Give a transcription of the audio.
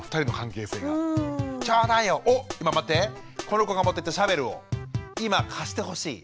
この子が持ってたシャベルを今貸してほしい。